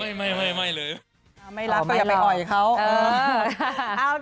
พี่บัสไม่รักก็อย่าไปอ๋อยเขา